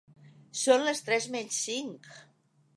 Son les tres menys cinc!